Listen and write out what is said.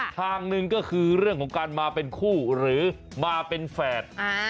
ทางหนึ่งก็คือเรื่องของการมาเป็นคู่หรือมาเป็นแฝด